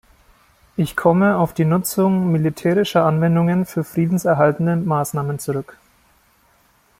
Ich komme auf die Nutzung militärischer Anwendungen für friedenserhaltende Maßnahmen zurück.